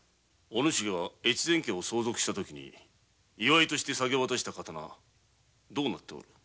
お主が越前家相続の時祝いとして下げ渡した刀どうなっておる。